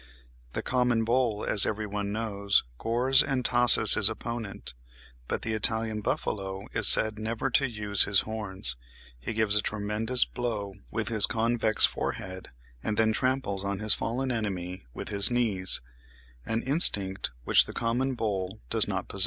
The common bull, as every one knows, gores and tosses his opponent; but the Italian buffalo is said never to use his horns: he gives a tremendous blow with his convex forehead, and then tramples on his fallen enemy with his knees—an instinct which the common bull does not possess.